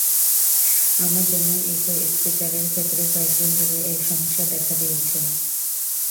আমাজনের Echo স্পিকারের ক্ষেত্রে কয়েক দিন ধরেই এ সমস্যা দেখা দিয়েছে।